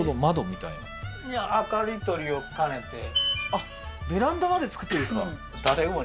あっベランダまで造ってるんですか？